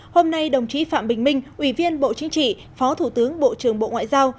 hôm nay đồng chí phạm bình minh ủy viên bộ chính trị phó thủ tướng bộ trưởng bộ ngoại giao